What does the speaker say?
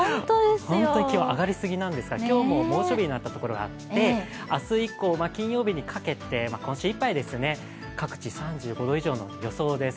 本当に気温が上がりすぎなんですが、今日も猛暑日になったところがあって、明日以降、金曜日にかけて今週いっぱいですね各地３５度以上の予想です。